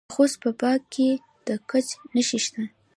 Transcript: د خوست په باک کې د ګچ نښې شته.